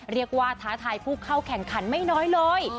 ท้าทายผู้เข้าแข่งขันไม่น้อยเลย